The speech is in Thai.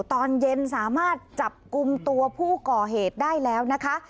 ตอนเย็นสามารถจับกลุ่มตัวผู้ก่อเหตุได้แล้วนะคะ